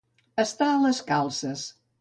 Estar a les calces.